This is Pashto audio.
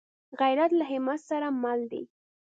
غیرت له همت سره مل دی